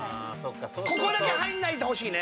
ここだけ入んないでほしいね